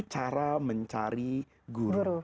cara mencari guru